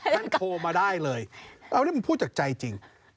ได้โทรมาได้เลยเอาเนี่ยพูดจากใจจริง